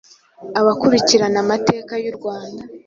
Abakurikirana amateka y’u Rwanda